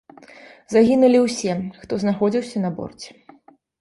Загінулі ўсе, хто знаходзіўся на борце.